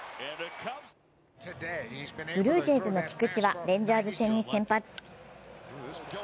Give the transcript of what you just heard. ブルージェイズの菊池はレンジャーズ戦に先発。